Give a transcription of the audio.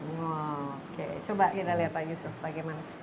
wow oke coba kita lihat pak yusuf bagaimana